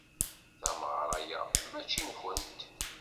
Tameɣra-a mačči nkent.